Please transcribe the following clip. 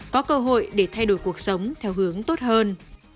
có cơ hội để thay đổi cuộc sống theo hướng tốt hơn